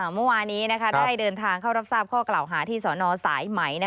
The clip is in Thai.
เมื่อวานี้ได้เดินทางเข้ารับทราบข้อกล่าวหาที่สนสายไหม